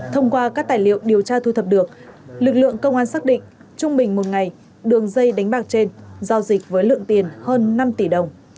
thông qua các tài liệu điều tra thu thập được lực lượng công an xác định trung bình một ngày đường dây đánh bạc trên giao dịch với lượng tiền hơn năm tỷ đồng